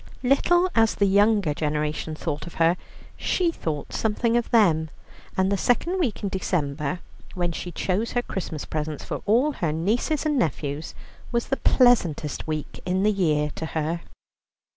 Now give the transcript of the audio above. Little as the younger generation thought of her, she thought something of them, and the second week in December, when she chose her Christmas presents for all her nieces and nephews, was the pleasantest week in the year to her.